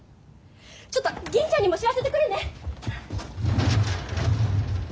ちょっと銀ちゃんにも知らせてくるね！